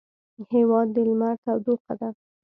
هېواد د لمر تودوخه ده.